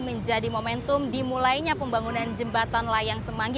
menjadi momentum dimulainya pembangunan jembatan layang semanggi